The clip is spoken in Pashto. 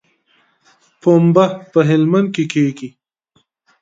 پنبه په هلمند کې کیږي